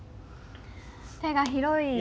手が広い。